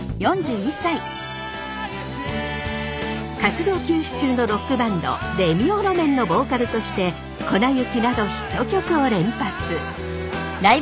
活動休止中のロックバンドレミオロメンのボーカルとして「粉雪」などヒット曲を連発。